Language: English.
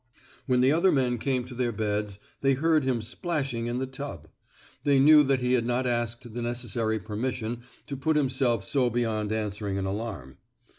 When the other men came to their beds, they heard him splashing in the tub. They knew that he had not asked the necessary permission to put himself so beyond answer ing an alarm.